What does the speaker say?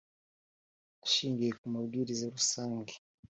Ishingiye ku mabwiriza rusange